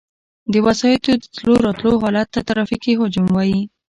د وسایطو د تلو راتلو حالت ته ترافیکي حجم وایي